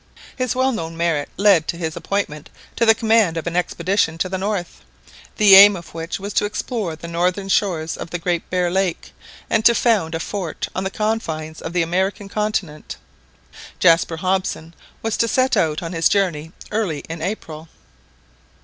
His well known merit led to his appointment to the command of an expedition to the north, the aim of which was to explore the northern shores of the Great Bear Lake, and to found a fort on the confines of the American continent. Jaspar Hobson was to set out on his journey early in April.